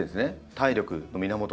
体力の源に。